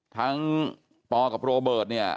ปอกับโรเบิร์ตเนี่ย